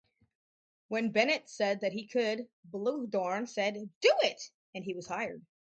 When Bennett said that he could, Bluhdorn said "do it" and he was hired.